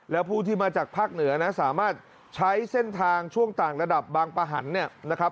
แล้วผู้ที่มาจากภาคเหนือนะสามารถใช้เส้นทางช่วงต่างระดับบางประหันเนี่ยนะครับ